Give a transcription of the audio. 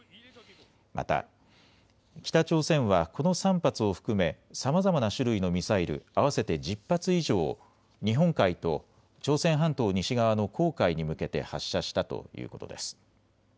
また北朝鮮はこの３発を含めさまざまな種類のミサイル合わせて１０発以上を日本海と朝鮮半島西側の黄海に向けて発射したということです。